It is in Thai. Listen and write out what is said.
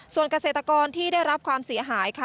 ส่วนเกษตรกรที่ได้รับความเสียหายค่ะ